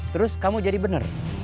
terus kamu jadi benar